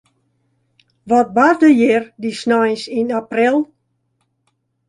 Wat barde hjir dy sneins yn april?